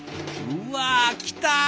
うわきた！